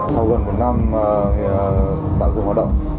sau gần một năm tạo dựng hoạt động